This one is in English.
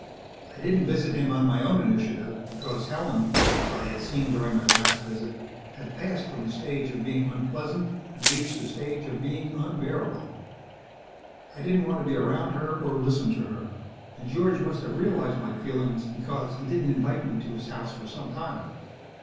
I didn't visit him on my own initiative because Helen, as I had seen during my last visit, had passed from the stage of being unpleasant and reached the stage of being unbearable. I didn't want to be around her or listen to her, and George must have realized my feelings because he didn't invite me to his house for some time.